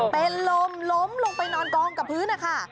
เป็นลมล้มลงไปนอนกองกับพื้นนะคะ